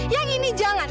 yang ini jangan